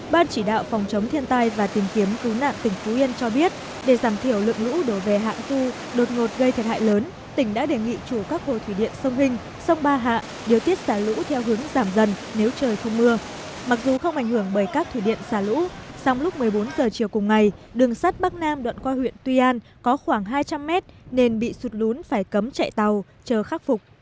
ban chỉ đạo phòng chống thiên tai và tìm kiếm cứu nạn tỉnh phú yên cho biết để giảm thiểu lượng lũ đổ về hạ du đột ngột gây thiệt hại lớn tỉnh đã đề nghị chủ các hồ thủy điện sông hinh sông ba hạ điều tiết xả lũ theo hướng giảm dần nếu trời không mưa